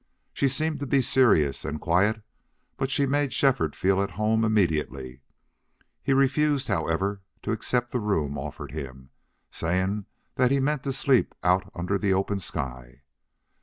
She seemed to be serious and quiet, but she made Shefford feel at home immediately. He refused, however, to accept the room offered him, saying that he me meant to sleep out under the open sky.